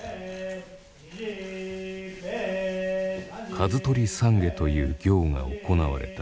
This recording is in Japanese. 数取懺悔という行が行われた。